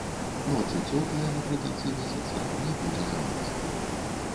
Ночы цёплыя напрыканцы месяца, не будзе замаразкаў.